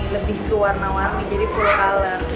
lebih ke warna warni jadi full color